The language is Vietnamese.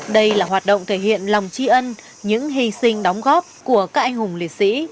đây là hoạt động thể hiện lòng tri ân những hy sinh đóng góp của các anh hùng liệt sĩ